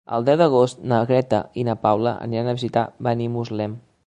El deu d'agost na Greta i na Paula iran a Benimuslem.